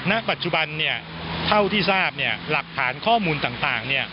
ณปัจจุบันเนี่ยเท่าที่ทราบหลักฐานข้อมูลต่างเนี่ย